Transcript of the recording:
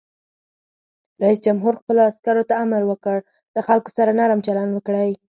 رئیس جمهور خپلو عسکرو ته امر وکړ؛ له خلکو سره نرم چلند وکړئ!